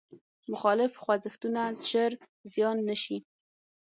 مخالف خوځښتونه ژر زیان نه شي.